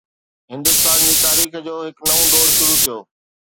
هندستان جي تاريخ جو هڪ نئون دور شروع ٿيو